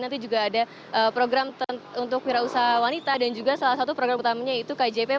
nanti juga ada program untuk wira usaha wanita dan juga salah satu program utamanya yaitu kjp